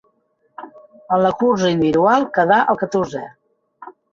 En la cursa individual quedà el catorzè.